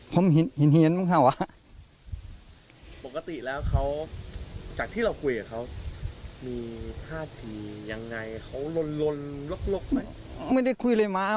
ผมเห็นเหอะผมข้าวอ่ะปกติแล้วเขาจากที่เราคุยกับเขา